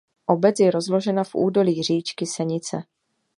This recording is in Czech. Obec je rozložena v údolí říčky Senice.